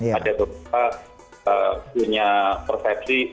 ada ketika punya persepsi